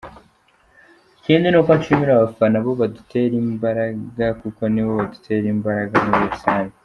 Ikindi ni uko nshimira abafana bo badutera imbara kuko nibo badutera imberaga muri rusange.